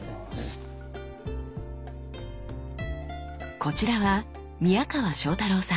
こちらは宮川正太郎さん。